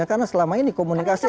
karena selama ini komunikasi antara